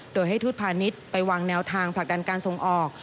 โดยให้ทูตพาณิชย์ไปวางแนวทางผลักดันการส่งออก